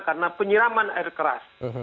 karena penyiraman air keras